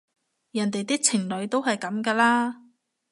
人哋啲情侶都係噉㗎啦